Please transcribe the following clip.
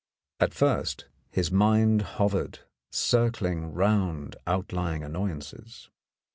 At first his mind hovered circling round outlying annoyances.